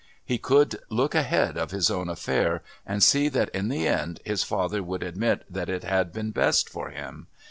He could look ahead of his own affair and see that in the end his father would admit that it had been best for him.